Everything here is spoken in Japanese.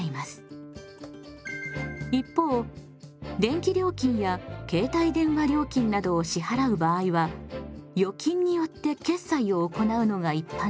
一方電気料金や携帯電話料金などを支払う場合は預金によって決済を行うのが一般的です。